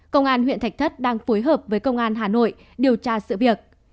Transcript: công an huyện thạch thất đang phối hợp với công an hà nội điều tra sự việc